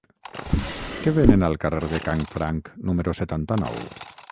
Què venen al carrer de Canfranc número setanta-nou?